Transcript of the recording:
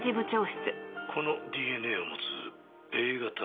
このＤＮＡを持つＡ型の男性。